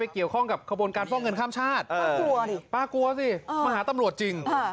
ไปเกี่ยวข้องกับขบวนการฟ่องเงินข้ามชาติป๊ากลัวสิ